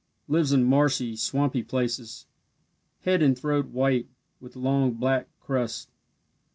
Lives in marshy, swampy places. Head and throat white, with long black crest.